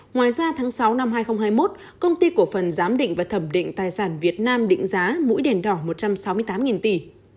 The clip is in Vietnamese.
ngoài ra tháng sáu năm hai nghìn hai mươi một công ty cổ phần giám định và thẩm định tài sản việt nam định giá mũi đèn đỏ một trăm sáu mươi tám tỷ